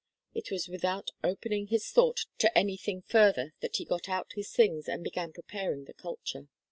It was without opening his thought to anything further that he got out his things and began preparing the culture.